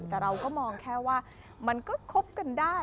แต่เราก็มองแค่ว่ามันก็คบกันได้